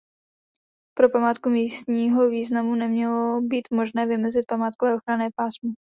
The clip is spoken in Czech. Pro památku místního významu nemělo být možné vymezit památkové ochranné pásmo.